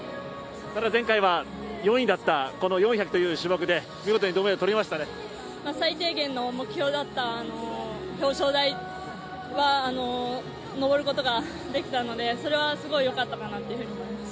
ただ前回は４位だったこの４００という種目で最低限の目標だった表彰台は上ることができたので、それはすごいよかったかなと思います。